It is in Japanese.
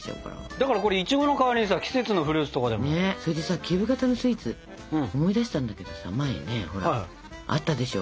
だからこれイチゴの代わりにさ季節のフルーツとかでも。それでさキューブ型のスイーツ思い出したんだけどさ。前にねほらあったでしょ？